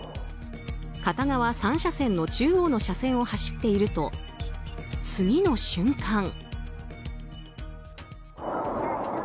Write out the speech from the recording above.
片側３車線の中央の車線を走っていると次の瞬間。